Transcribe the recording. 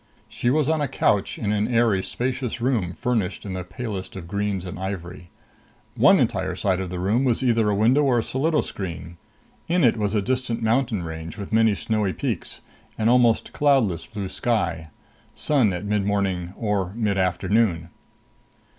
She was on a couch in an airy, spacious room furnished in the palest of greens and ivory. One entire side of the room was either a window or a solido screen. In it was a distant mountain range with many snowy peaks, an almost cloudless blue sky. Sun at midmorning or midafternoon.